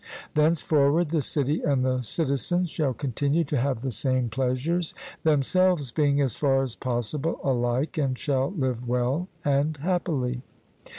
Thenceforward the city and the citizens shall continue to have the same pleasures, themselves being as far as possible alike, and shall live well and happily.